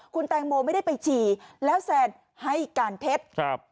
คุณแตงโมไม่ได้ไปฉี่แล้วแซนให้การเท็จ